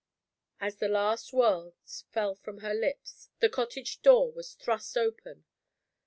As the last words fell from her lips the cottage door was thrust open.